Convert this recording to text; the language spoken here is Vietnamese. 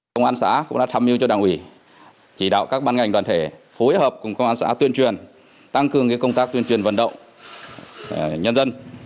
công an xã cũng đã tham mưu cho đảng ủy chỉ đạo các ban ngành đoàn thể phối hợp cùng công an xã tuyên truyền tăng cường công tác tuyên truyền vận động nhân dân